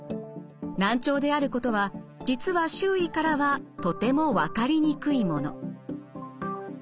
難聴であることは実は周囲からはとても分かりにくいもの。